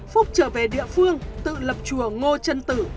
phúc trở về địa phương tự lập chùa ngô trân tử